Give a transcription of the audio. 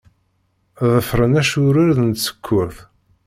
Ḍefṛen acrured n tsekkurt.